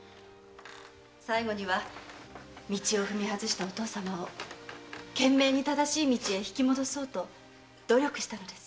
最後には道を踏み外したお父さまを懸命に正しい道へ引き戻そうと努力したのです。